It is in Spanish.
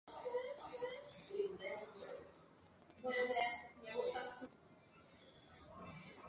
Las canciones de este álbum expresa una serie de angustias.